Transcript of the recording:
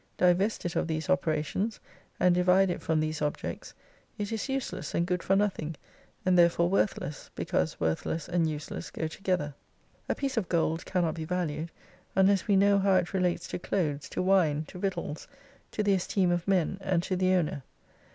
Divest it of these operations, and divide it from these objects, it is useless and good for nothing, and therefore worthless, because worthless and useless go together. A piece of gold cannot be valued, unless we know how it relates to clothes, to wine, to victuals, to the esteem of men and to the owner.